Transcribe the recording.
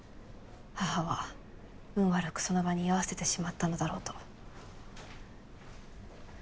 母は運悪くその場に居合わせてしまったのだろうと。